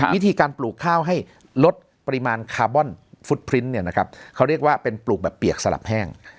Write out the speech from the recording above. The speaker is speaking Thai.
วิธีการปลูกข้าวให้ลดปริมาณคาร์บอนฟุตพริ้นเนี่ยนะครับเขาเรียกว่าเป็นปลูกแบบเปียกสลับแห้ง